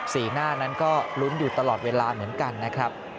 สีหน้านั้นก็ลุ้นอยู่ตลอดเวลาเหมือนกันนะครับ